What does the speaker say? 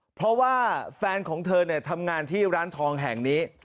เพราะว่าแฟนของเธอเนี่ยทำงานที่ร้านทองแห่งนี้